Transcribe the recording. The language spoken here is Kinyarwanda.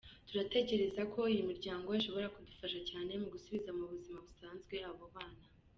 Turatekereza ko imiryango ishobora kudufasha cyane mu gusubiza mu buzima busanzwe abo bana.